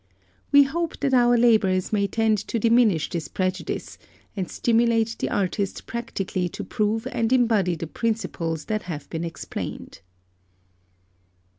We hope that our labours may tend to diminish this prejudice, and stimulate the artist practically to prove and embody the principles that have been explained.